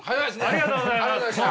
ありがとうございます。